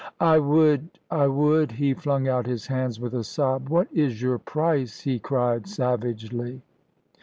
"I would I would " He flung out his hands with a sob. "What is your price?" he cried savagely.